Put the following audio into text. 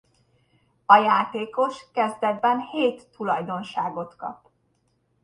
A játékos kezdetben hét tulajdonságot kap.